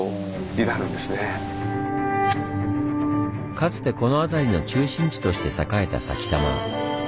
かつてこの辺りの中心地として栄えた埼玉。